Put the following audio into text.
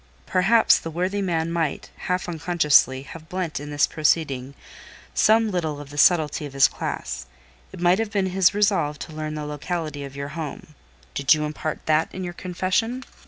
Perhaps the worthy man might, half unconsciously, have blent in this proceeding some little of the subtlety of his class: it might have been his resolve to learn the locality of your home—did you impart that in your confession?"